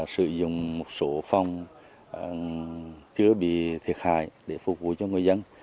sử dụng một số phòng chưa bị thiệt hại để phục vụ cho người dân